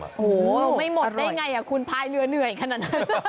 โอ้โหไม่หมดได้ไงคุณพายเรือเหนื่อยขนาดนั้น